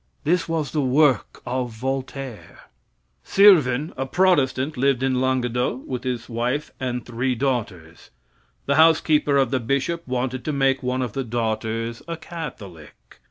This was the work of Voltaire. Sirven, a Protestant, lived in Languedoc with his wife and three daughters. The housekeeper of the bishop wanted to make one of the daughters a Catholic.